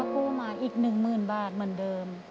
กู้มาอีก๑๐๐๐บาทเหมือนเดิม